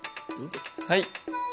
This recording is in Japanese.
はい。